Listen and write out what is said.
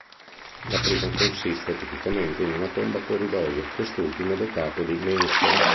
La prima consiste tipicamente in una tomba a corridoio, quest'ultimo dotato di mensole.